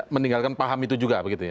meninggalkan paham itu juga begitu ya